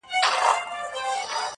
پاچا وغوښته نجلۍ واده تیار سو-